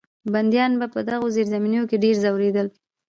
بندیان به په دغو زیرزمینیو کې ډېر ځورېدل.